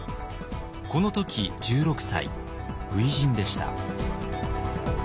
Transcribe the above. この時１６歳初陣でした。